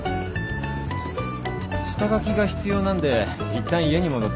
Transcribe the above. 下書きが必要なんでいったん家に戻って書いてきます。